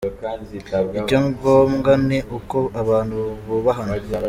Icya ngombwa ni uko abantu bubahana.